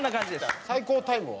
最高タイムは？